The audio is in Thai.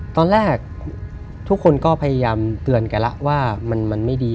ตอนแรกทุกคนก็พยายามเตือนกันแล้วว่ามันไม่ดี